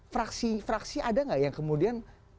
fraksi fraksi ada nggak yang kemudian